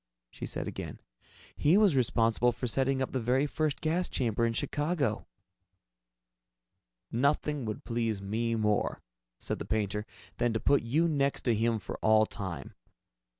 she said again. "He was responsible for setting up the very first gas chamber in Chicago." "Nothing would please me more," said the painter, "than to put you next to him for all time.